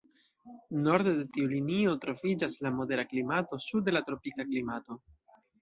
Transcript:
Norde de tiu linio troviĝas la modera klimato, sude la tropika klimato.